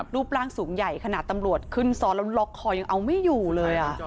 รูปร่างสูงใหญ่ขนาดตำรวจขึ้นซ้อนแล้วล็อกคอยังเอาไม่อยู่เลย